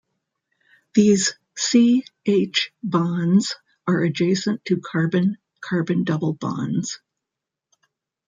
These C-H bonds are adjacent to carbon-carbon double bonds.